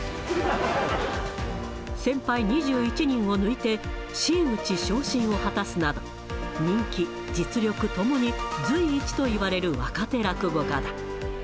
先輩２１人を抜いて、真打ち昇進を果たすなど、人気、実力ともに随一といわれる若手落語家だ。